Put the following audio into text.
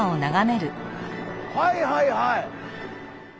はいはいはい。